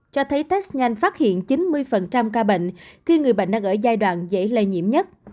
cho thấy test nhanh phát hiện chín mươi ca bệnh khi người bệnh đang ở giai đoạn dễ lây nhiễm nhất